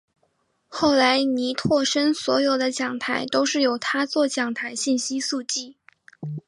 后来倪柝声所有的讲台都是由他作讲台信息速记。